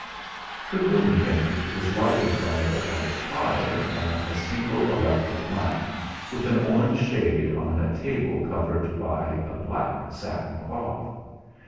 The room he entered was lighted by a bright fire, and a single electric lamp with an orange shade on a table covered by a black satin cloth.